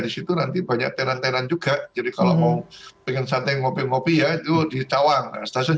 disitu nanti banyak teran ternan juga jadi kalau mau pengen santai ngopi ngopi ya itu di cawang stasiun